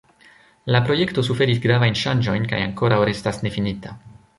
La projekto suferis gravajn ŝanĝojn kaj ankoraŭ restas nefinita.